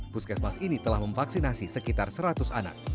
puskesmas ini telah memvaksinasi sekitar seratus anak